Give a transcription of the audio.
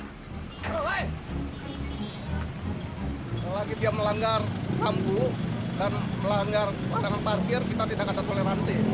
selagi dia melanggar kampu dan melanggar tangan parkir kita tidak akan terpoleransi